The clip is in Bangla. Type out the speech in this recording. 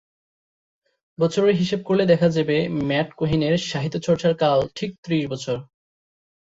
বছরের হিসেব করলে দেখা যাবে ম্যাট কোহেনের সাহিত্য-চর্চার কাল ঠিক ত্রিশ বছর।